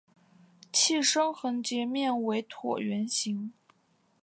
器身横截面为椭圆形。